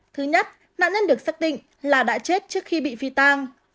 thứ nhất nạn nhân được xác định là đã chết trước khi bị phi tang